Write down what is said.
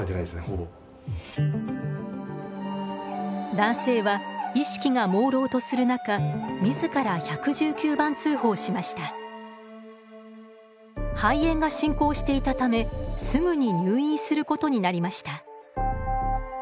男性は意識がもうろうとする中肺炎が進行していたためすぐに入院することになりました。